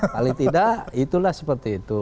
paling tidak itulah seperti itu